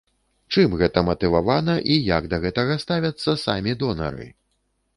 Чым гэта матывавана і як да гэтага ставяцца самі донары?